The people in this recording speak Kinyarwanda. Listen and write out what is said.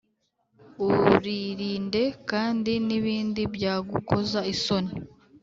(Uririnde kandi n’ibindi byagukoza isoni